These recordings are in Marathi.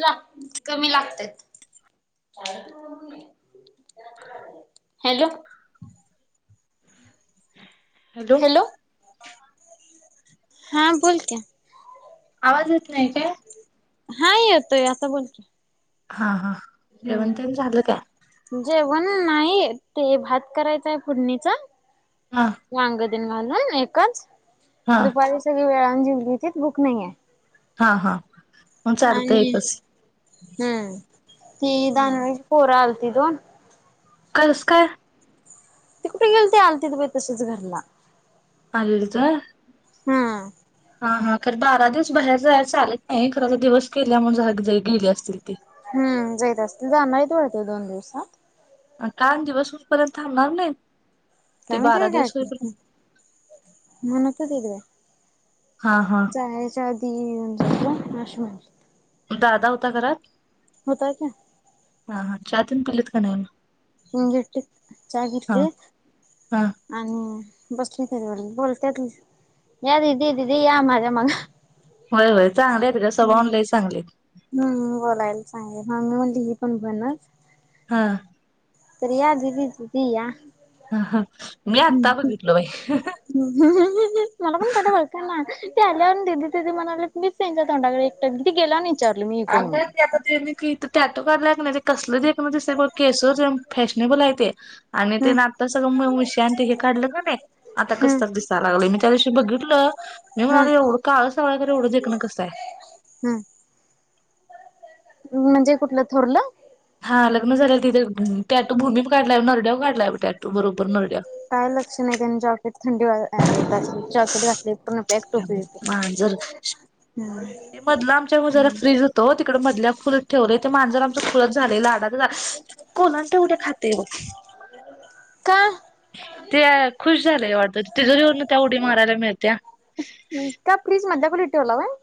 जा, कमी लागते हॅलो [unintelligible] हॅलो, हा बोल की आवाज येत नाही काय? हा येतोय आता बोला हा हा जेवंण तेन झालं काय? जेवण नाही ते भात करायचाय फोडणीचा. आ. वागं देण घालून एकच, हा दुपारी सगळी वेळाने जेवलीतीत भूक नाहीयय हा हा. मग चालतंय आणि एकच हम्म ती हम्म. दानोळीची पोर आलती दोन कसं काय? कुठे गेलती आलतीत बाई तसंच घरला. आलेलीत? हा. हा हा खर बारा दिवस बाहेर जायाय चालत नाही, खर आता दिवस केल्यामुळ जहाकं गेली असतील ती. हम् जाइत असतील जाणार आहेत दोन दिवसात कान दिवस होईपर्यंत थांबणार नाहीत ते बारा दिवस होईपर्यंत म्हणूस तर गेलीया हा हा. जायाच्या आधी येऊन जा, अशी म्हणते. दादा हुता घरात? होता काय हा हा चा तेन पिलीत का नाही? हं, घेतलीत चहा हा घेतलीत. हा आणि बसली खरी ब बोलत्यात या दीदी, दीदी या माझ्या मग व्हय, व्हय चांगले आहेत गं, स्वभावान लय चांगलेत. हम् बोलायला चांगली, मम्मी म्हणली ही पण भणचं हां. या दीदी, दीदी या ह ह, मी आत्ता बघितल बाई मला पण पाहिला वळखणा, ती आल्या आणि दीदी दीदी म्हणालेत मी तेंच्या तोंडाकडे एकटक किती गेला नाहीस आग ते आता तेनी कि इथं ट्याटू काडलाय कणी कसल देखणं दिसतय बघ केस तेन फॅशनेबल आहे ते आणि ते हम्म नातं सगळं म उषा आणि ते हे काढलं कणी. आता हम्म कसतर दिसाय लागलय, मी त्या दिवशी बघितलं मी म्हणालो एवढं काळ सावळ हाय खरं एवढं देखण कसं हाय. हम्म म्हणजे कुठलं थोरलं? हा लग्न झालेल तिथे, टॅटू भूमी काढलाय नरड्यावर काढलाय टॅटू बरोबर नरड्यावर काय लक्ष नाही त्यांच्यावरती थंडी वाजाय [inaudible] जॉकेट घातलेय पूर्ण. पॅक टोपी बिपी मांजर हम्म मधलं आमच्यामुळे जरा हम्म फ्रीज उ तो तिकडं मधल्या खोलीत ठेवलय ते मांजर आमचं खुळच झालेय लाडात कोलांट्या उड्या खातंय बग. का तेय खुश झालय वाटतं तिजोरीवरन त्या उडी मारायला मिळतीया. त्या फ्रिज मधल्या खोलीत ठेवला व्हय.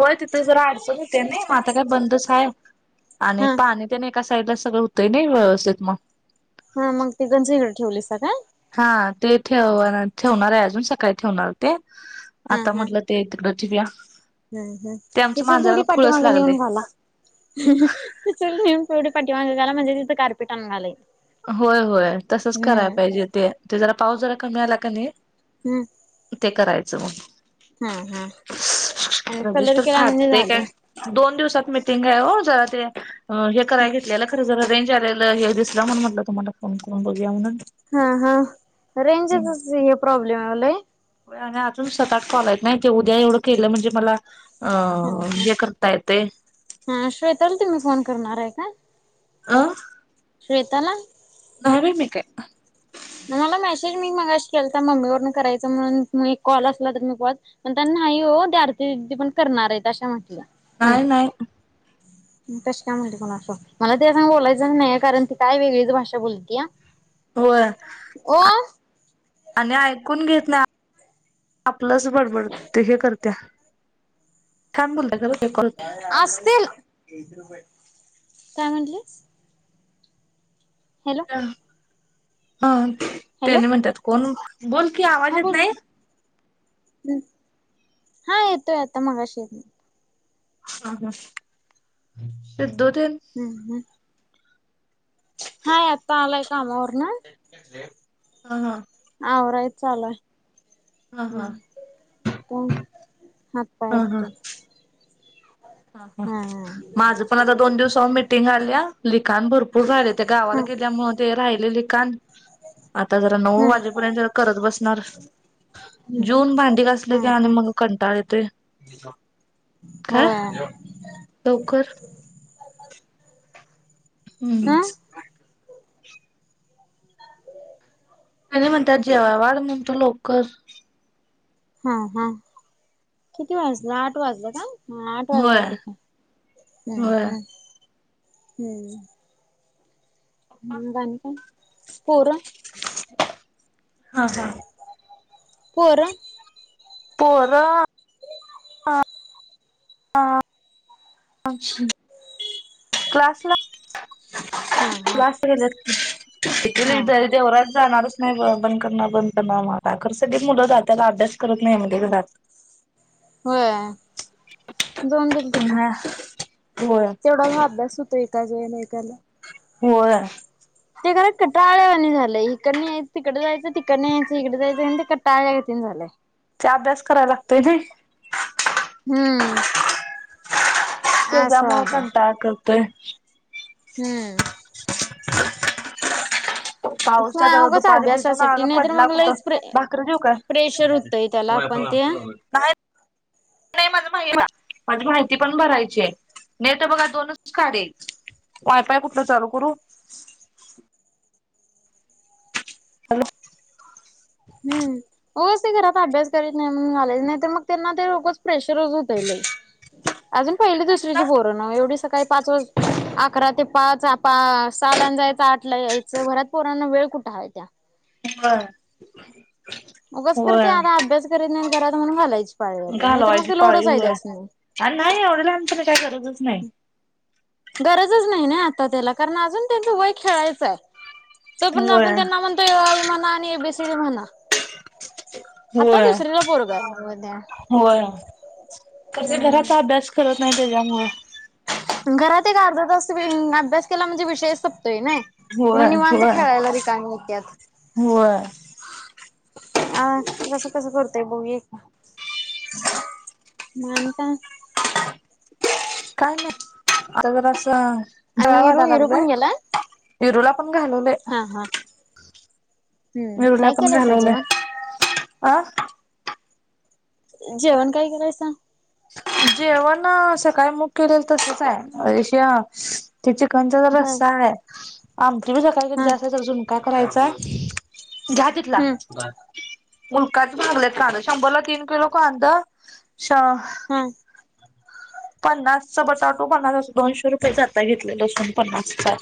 होय तिथे जरा आडचण होत्याय नाही म आता काय बंदच हाय आणि हा पाणी त्याने एका साईडला सगळं होतंय नाही व्यवस्थित म. हा मग ती गंज ईकड ठेवलीसा काय? हा ते ठेव-ठेवणार आहे अजून सकाळी ठेवणार ते आता म्हटलं ते तिकडं ठेऊया. हम् हं किचन थोडी पाठीमागे लागले नेऊन घाला. तू चुल नेऊन तेवढी पाठी मागे घाला म्हणजे तिथं कारपेट आणून‌ घालाय ईल. होय होय तसंच कराया पाहिजे ते. ते जरा पाऊस जरा कमी आला का नी हम्म. ते करायचं मग. हं हं आणि कलर रजिस्टर केला म्हंजे फाटते काय झालं. दोन दिवसात मिटिंग आहे वो. जरा ते हे कराया घेतलेलं खरं जर रेंज आलेलं हे दिस त्या म्हणून ण म्हटलं तुम्हाला फोन करून बघूया म्हणून. हं हं रेंजचंच हे प्रॉब्लेम आलंय. आणि अजून सात, आठ कॉल आहेत नाही, उद्या एवढं केलं म्हणजे मला अं हा हे हा करता येतंय. हा श्वेताला तुम्ही फोन करणार आहे का? अं श्वेताला? न्हाई बाई मी काय? तूमाला मेसेज मी मगाशी केलता तर मम्मी वरन करायंचं म्हणून एक कॉल असला तर मी एक कॉल पण त्यां नाही हो, ते आरतीदिदी पण करणार आहेत अशा म्हटल्या. काय नाही. तशी काय म्हणते कोणास ठाऊक, मला तिया संग बोलायचंच नाही कारण ती काय वेगळीच भाषा बोलतिया. व्हय आणि ऐकून घेत नाय आपलंच बडबड ते हे करत्या छान बोल असतील काय म्हटली? हॅलो ‌. हं हॅलो त्येनी म्हणत्यात कोण बोल की आवाज येत नाही? हम् हा येतोय आता मगाशीे. ह हं ते दो तीन हम्म हम् [inaudible] हाय आत्ता आलाय कामावरनं. हं हं आवराय चालू हाय हा हा हम्म पण हा हा. हा हा. माझं पण आता दोन दिवसावर मिटिंग आलिया, लिखाण भरपूर राहिलंया त्या गावाला गेल्या मुळं ते राहिलेले कान आता जरा नऊ हम्म वाजेपर्यंत जरा करत बसणार. हम्म जेऊन भांडी घासलं कि हम्म आणि हम्म मग कंटाळा येतोया [unintelligible] काय होय. [unintelligible] लवकर? हम्म हा आणि म्हणत्यात जेवाया वाढ म्हणतो लवकर. हम्म हम्म किती वाजलं, आठ वाजलं का? हं आठ होय वाजायलेत ना हम्म होय हम्म हम्म मंग आणि काय? पोरं [inaudible] हा का. पोरं पोरं आं [unintelligible] क्लासला हा हा [unintelligible] हा हा जाणार नाही ब बंद करणार बंद करणार म आता खर सगळी मुलं दाताला अभ्यास करत नाही म्हणजे जात होय जाऊन दे ना तिकड हा होय तेवढा हा अभ्यास होतोय का एकाच वेळेला एकाला होय. ते खर कटाळवाण झालंय इकडन यायच तिकडे जायचं तिकडन यायचं इकडे जायचं आणि ते कंटाळा येतीन झालंय ते अभ्यास करायला लागतंय नाय. हम्म. असं त्याचमुळं आलंय कंटाळा करतोय. हम्म. पावसात उगाच दुपारी भिजून अभ्यासासाठी आला नाही तर पडला मग कुठं, लईच प्रे भाकरी देेऊ काय? प्रेशर होतंय त्याला होय ते पण [unintelligible] [unintelligible] आणि माहिती पण भरायचीय नाहीतर बघा दोनच काढेल वायफाय कुठलं चालू करू? हॅलो! हम्म होयच ते घरात अभ्यास करीत नाही म्हणून झालय नाही तर मग त्यांना ते उगाच प्रेशरच होतयले. उ अजून पहिली दुसरीची पोरं पण मग एवढी सकाळी पाच वाज अकरा ते पाच पा सहालान जायच आठला याय घरात पोरांना वेळ कुठे हाय त्या हा. उगाच तर ते आता अभ्यास करीत नाही घरात म्हणून घालायची [unintelligible] नाहीतर मग घालवायची ते पाळी लोडंच हाय होय. त्यासनी आणि नाही एवढ्या लांबच तर काय गरजच नाही. गरजच नाही ना आता त्याला कारण अजून त्यांचं वय खेळायचं आहे. तो पर्यंत आपण होय त्यांना म्हणतोय [unintelligible] म्हणा आणि एबीसीडी म्हणा आता व्हय दुसरीला पोरगं हाय. व्हय पण ते हम्म. घरात अभ्यास करत नाही त्याच्या मूळ पण घरात एक अर्धा जास्त अम अभ्यास केला म्हणजे विषयच संपतोय नाय. होय मग निवांत होय खेळायला रिकामी होत्यत. होय. अह कसं कसं करतय बघ ही. मान का काय नाही. आता जर असं डाळ आणि हिरो वाढा हिरो लागलोय, पण गेलाय? वीरूला पण घालवलंय. ह हा हम्म वीरूला काय पण केलायसा घालवलंय जेवण? आं जेवण काय केलायसा? जेवण सकाळी मुग केलेलं तसंच आहे अ ह्य ते चिकनचा जरा हा रस्सा हाय, आमटी बी सकाळी केलेली हा जास्त आहे जरा झुणका करायचाय. घ्या तिथंला. हम्म मुलकाचं महागलेत कांदं, शंभरला तीन किलो कांदं श हां पन्नासचा बटाटो, पन्नास असं दोनशे रुपयेचं आत्ता घेतलंय लसूण पन्नासचा.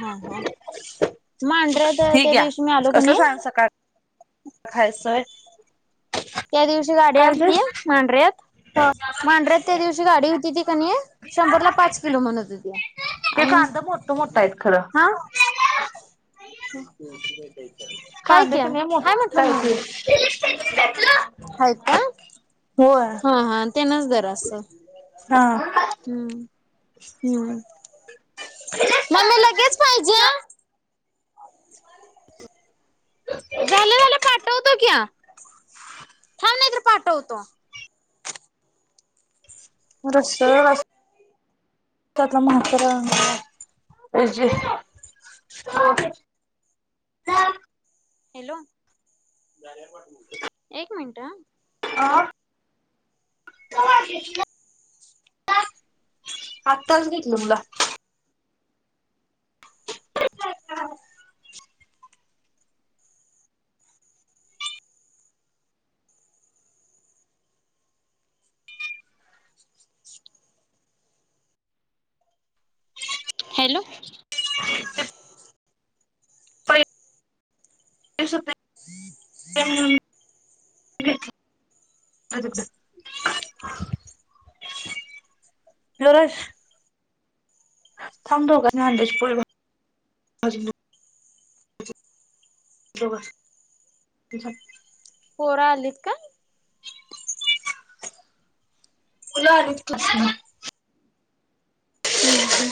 हा, हा. मांढऱ्यात हे त्या घ्या दिवशी मी आलो कनई खायाचंसय त्या दिवशी गाडी आलती म्हणलीस मांडऱ्यात, मांडऱ्यात त्या दिवशी गाडी होती ती कनाई शंभरला पाच किलो म्हणत हुत्या हे आणि कांदा मोठ मोठा आहेत खरं हां [unintelligible] हाय की, कांद्याच नाही हाय मोठा म्हटलो आहे नव मी. [unintelligible] हाईत काय, होय हां, हां तेनच दर असं. हा. हं.. हं, मम्मी लगेच पाहिजे? झालं -झालं पाठवतो की वो, थांब नाही तर पाठवतो. म रस्स रास त्यातला म्हाताऱ्याला दिला, महजे. Stop.. hello. हॅलो! एक मिनटं हं... आ. [unintelligible] आत्ताच घेतलं मुला. [unintelligible] हॅलो. पै... [unintelligible] हो तिकडं हॅलो रश थांब दोघानी अंड्याची पोळी भाजून देतो. [unintelligible] पोरं आलीत काय? मुलं आलीत स्कुलसनं. हुं.. हूं..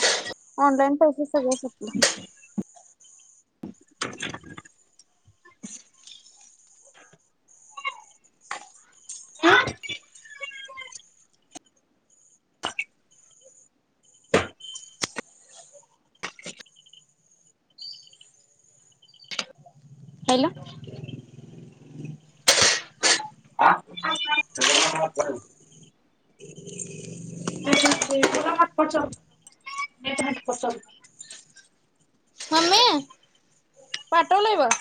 ऑनलाईन पैसे सगळं सपलं. [unintelligible] हॅलो! [unintelligible] हा फ्रेशर्स डे जरा हॉटस्पॉट चालू कर, नेट हास्पॉट चालू कर. मम्मे, पाठवलंय बघ.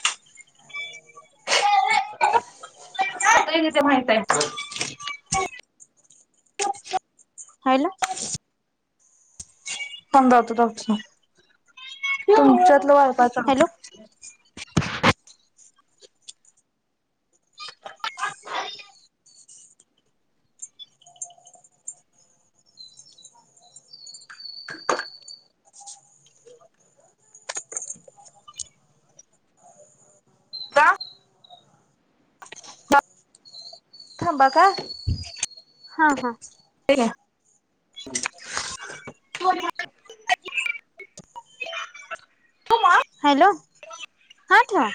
आता एक इथं माहित आहे. [unintelligible] हायला [unintelligible] तुमच्यातलं वाळपा हॅलो, [inaudible] थांबा का? हा हा ते द्या. [unintelligible] हॅलो, ह ठेवा.